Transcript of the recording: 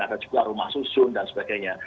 ada juga rumah susun dan sebagainya